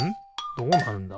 どうなるんだ？